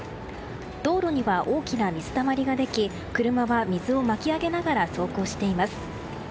道路には大きな水たまりができ車は水をまきあげながら走行しています。